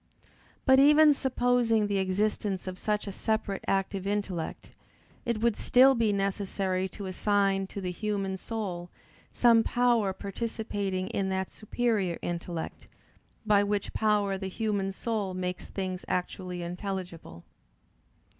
But, even supposing the existence of such a separate active intellect, it would still be necessary to assign to the human soul some power participating in that superior intellect, by which power the human soul makes things actually intelligible.